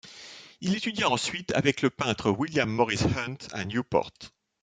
Il étudia ensuite avec le peintre William Morris Hunt à Newport.